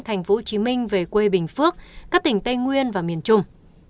tp hcm về quê bình phước các tỉnh tây nguyên và miền trung